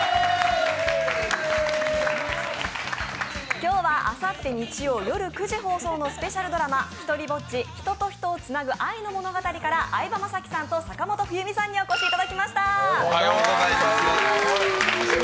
今日はあさって日曜夜９時放送のスペシャルドラマ、「ひとりぼっち―人と人をつなぐ愛の物語―」から相葉雅紀さんと坂本冬美さんにお越しいただきました。